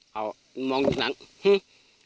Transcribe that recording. เหงาต่อมองมันเหนื้อ